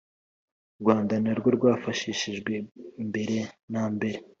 Rwanda narwo rwafashijwe mbere na mbere